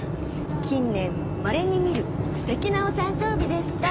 近年まれに見るすてきなお誕生日でした。